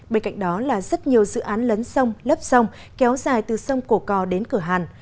bên cạnh đó là rất nhiều dự án lấn sông lấp sông kéo dài từ sông cổ cò đến cửa hàn